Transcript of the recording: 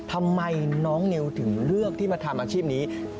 ทำไมน้องนิวถึงเลือกที่มาทำอาชีพนี้